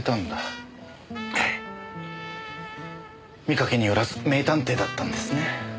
見かけによらず名探偵だったんですね。